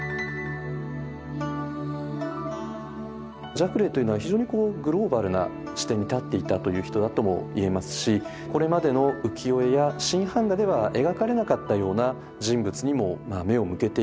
ジャクレーというのは非常にグローバルな視点に立っていたという人だともいえますしこれまでの浮世絵や新版画では描かれなかったような人物にも目を向けていると。